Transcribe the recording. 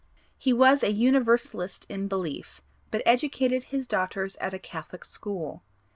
He was a Universalist in belief, but educated his daughters at a Catholic school.